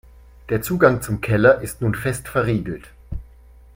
Der Zugang zum Keller ist nun fest verriegelt.